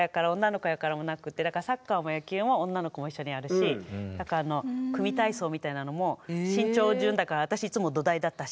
だからサッカーも野球も女の子も一緒にやるし組み体操みたいなのも身長順だからあたしいつも土台だったし。